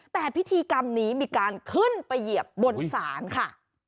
แต่พิธีกรรมนี้มีการขึ้นไปเหยียบบนศาลค่ะ